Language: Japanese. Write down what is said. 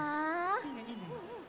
いいねいいね。